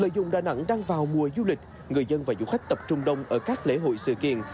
dù đà nẵng đang vào mùa du lịch người dân và du khách tập trung đông ở các lễ hội sự kiện